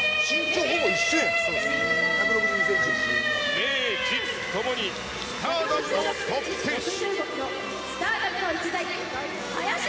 名実ともに、スターダムのトップ選手。